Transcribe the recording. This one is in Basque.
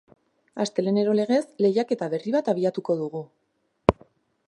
Astelehenero legez, lehiaketa berri bat abiatuko dugu.